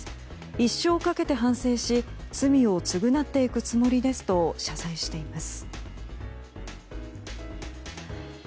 一生かけて反省し罪を償っていくつもりですと謝罪しています。